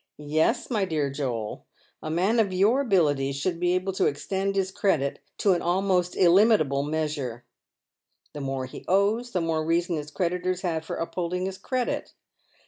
"Yes, my dear Joel, a man of j'our abilities should be able to extend his credit to an almost illimitable measure. The more he owes, the more reason his creditors have for upholding his credit.